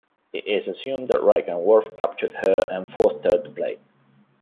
It is assumed that Riker and Worf captured her and forced her to play.